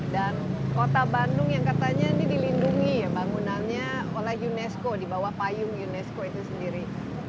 dan kota bandung yang katanya ini dilindungi bangunannya oleh unesco dibawah payung unesco itu sendiri